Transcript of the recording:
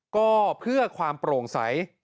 ก็เพื่อความโปร่งใส